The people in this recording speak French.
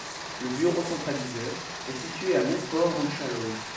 Le bureau centralisateur est situé à Montfort-en-Chalosse.